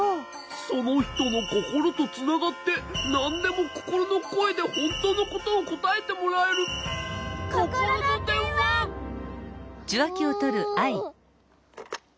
そのひとのココロとつながってなんでもココロのこえでほんとのことをこたえてもらえるおお！